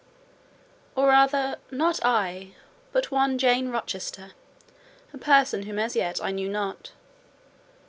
—or rather, not I, but one Jane Rochester, a person whom as yet I knew not.